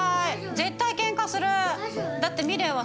絶対ケンカする。